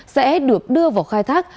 sẽ được đưa vào khai thác